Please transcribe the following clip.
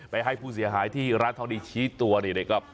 ให้ผู้เสียหายที่ร้านทองดีชี้ตัวนี่นะครับ